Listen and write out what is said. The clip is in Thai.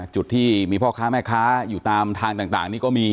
จุดที่มีพ่อค้าแม่ค้าอยู่ตามทางต่างนี่ก็มี